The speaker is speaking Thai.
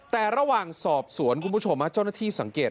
แต่ระหว่างสอบสวนคุณผู้ชมเจ้าหน้าที่สังเกต